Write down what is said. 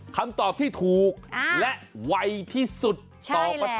คำตอบที่ถูกและวัยที่สุดตอบมาถูก